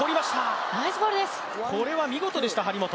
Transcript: これは見事でした、張本。